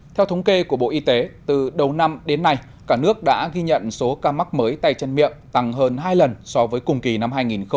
theo thống kê của bộ y tế từ đầu năm đến nay cả nước đã ghi nhận số ca mắc mới tay chân miệng tăng hơn hai lần so với cùng kỳ năm hai nghìn một mươi chín